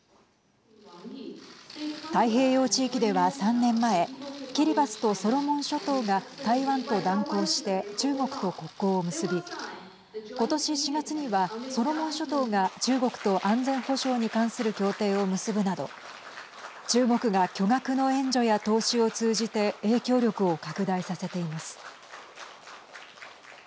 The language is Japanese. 太平洋地域では３年前キリバスとソロモン諸島が台湾と断交して中国と国交を結びことし４月にはソロモン諸島が中国と安全保障に関する協定を結ぶなど中国が巨額の援助や投資を通じて影響力を拡大させています。